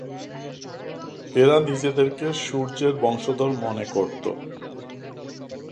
এরা নিজেদেরকে সূর্যের বংশধর মনে করত।